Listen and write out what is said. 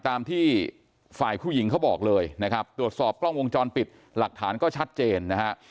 ตามที่ฝ่ายผู้หญิงเขาบอกเลยนะครับตรวจสอบกล้องวงจรปิดหลักฐานก็ชัดเจนนะฮะ